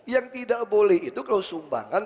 yang tidak boleh itu kalau sumbangan